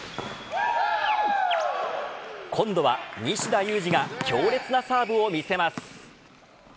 今度は、西田有志が強烈なサーブを見せます。